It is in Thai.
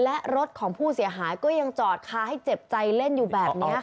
และรถของผู้เสียหายก็ยังจอดค้าให้เจ็บใจเล่นอยู่แบบนี้ค่ะ